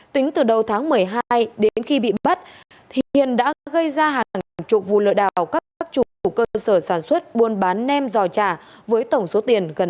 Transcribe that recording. tính từ đầu tháng một mươi hai đến khi bị bắt hiền đã gây ra hàng trục vụ lợi đảo các chủ cơ sở sản xuất buôn bán nem dò trà với tổng số tiền gần một trăm linh triệu đồng